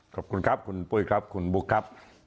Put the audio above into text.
ขอบคุณครับคุณปุ้ยครับคุณบุ๊คครับ